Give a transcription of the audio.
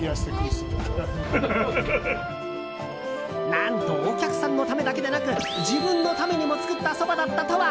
何とお客さんのためだけでなく自分のためにも作ったそばだったとは。